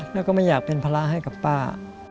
แล้วก็ไม่อยากเป็นภาระให้กับป้า